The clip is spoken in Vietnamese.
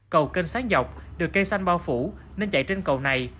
cầu kênh sáng dọc được cây xanh bao phủ nên chạy trên cầu này